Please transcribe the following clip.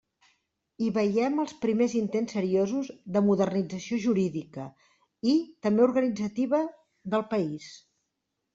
Hi veiem els primers intents seriosos de modernització jurídica, i també organitzativa, del país.